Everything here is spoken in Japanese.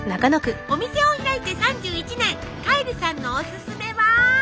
お店を開いて３１年カイルさんのおすすめは？